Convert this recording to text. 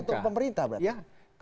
tergantung pemerintah pak